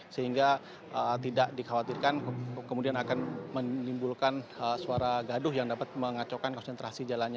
sehingga tidak dikhawatirkan kemudian akan menimbulkan suara gaduh yang dapat mengacaukan konsentrasi jalannya